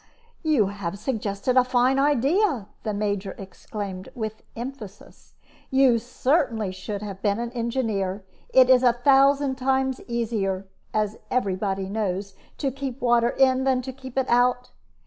"You have suggested a fine idea," the Major exclaimed, with emphasis. "You certainly should have been an engineer. It is a thousand times easier as every body knows to keep water in than to keep it out.